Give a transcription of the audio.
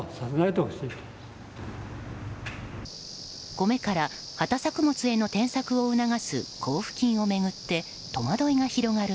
米から畑作物への転作を促す交付金を巡って戸惑いが広がる